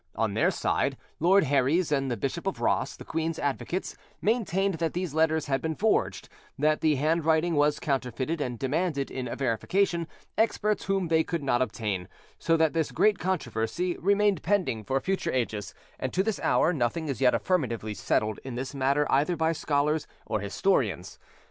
On their side, Lord Herries and the Bishop of Ross, the queen's advocates, maintained that these letters had been forged, that the handwriting was counterfeited, and demanded, in verification, experts whom they could not obtain; so that this great controversy, remained pending for future ages, and to this hour nothing is yet affirmatively settled in this matter either by scholars or historians.